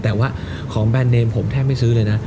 แต่ว่าของแบรนดเนมผมแทบไม่ซื้อเลยนะ